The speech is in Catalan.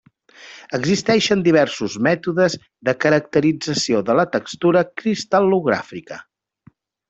Existeixen diversos mètodes de caracterització de la textura cristal·logràfica.